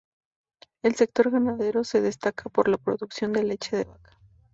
El sector ganadero se destaca por la producción de leche de vaca.